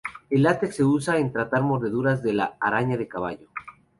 El látex se usa en tratar mordeduras de la "araña de caballo".